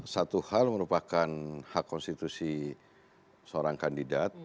satu hal merupakan hak konstitusi seorang kandidat